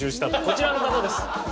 こちらの方です。